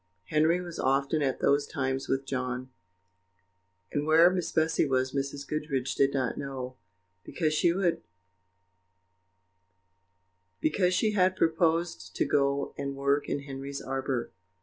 Henry was often, at those times, with John; and where Miss Bessy was Mrs. Goodriche did not know, because she had proposed to go and work in Henry's arbour.